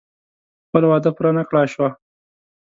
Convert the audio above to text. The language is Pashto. خپله وعده پوره نه کړای شوه.